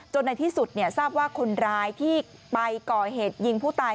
ในที่สุดทราบว่าคนร้ายที่ไปก่อเหตุยิงผู้ตาย